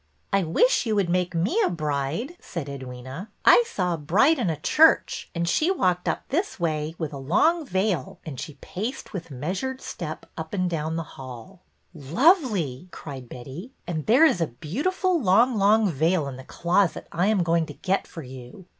I wish you would make me a bride," said Edwyna. I saw a bride in church, and she 1 86 BETTY BAIRD'S VENTURES walked up this way, with a long veil," and she paced with measured step up and down the halL Lovely! " cried Betty. " And there is a beau tiful long, long veil in the closet I am going to get for you."